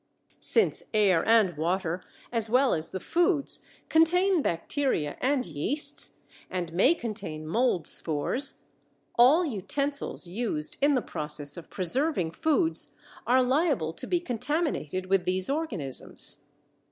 Since air and water, as well as the foods, contain bacteria and yeasts, and may contain mold spores, all utensils used in the process of preserving foods are liable to be contaminated with these organisms.